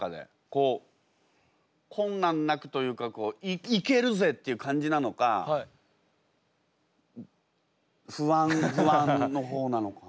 こう困難なくというか「いけるぜ！」っていう感じなのか不安の方なのか。